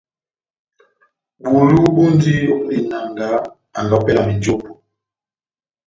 Bulu bɔndi ópɛlɛ ya inanga anga ópɛlɛ ya menjopo.